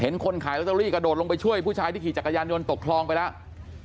คนขายลอตเตอรี่กระโดดลงไปช่วยผู้ชายที่ขี่จักรยานยนตกคลองไปแล้ว